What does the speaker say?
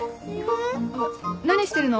あっ何してるの？